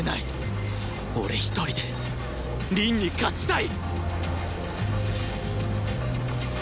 俺一人で凛に勝ちたい！